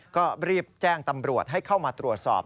ก็รีบแจ้งตำรวจให้เข้ามาตรวจสอบ